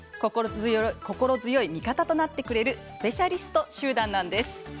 心強い味方となってくれるスペシャリスト集団なんです。